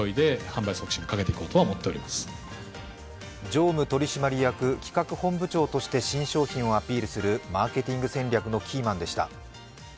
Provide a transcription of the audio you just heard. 常務取締役企画本部長として新商品をアピールするマーケティング戦略のキーマンでした。